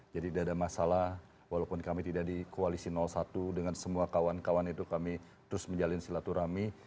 jadi tidak ada masalah walaupun kami tidak di koalisi satu dengan semua kawan kawan itu kami terus menjalin silaturahmi